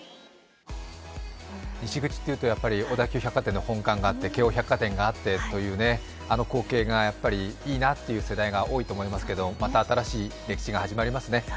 西口というとやっぱり小田急百貨店の本館があって、京王百貨店があってという、あの光景がいいなという世代が多いと思いますけどまた新しい歴史が始まりますね。